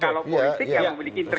kalau politik yang memiliki interv